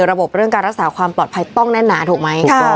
ระบบเรื่องการรักษาความปลอดภัยต้องแน่นหนาถูกไหม